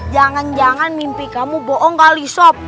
jangan jangan mimpi kamu bohong kali swab